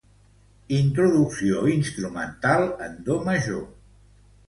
Introducció instrumental en do major.